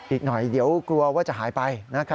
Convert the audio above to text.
อีกหน่อยเดี๋ยวกลัวว่าจะหายไป